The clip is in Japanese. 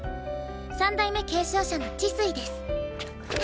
３代目継承者のチスイです。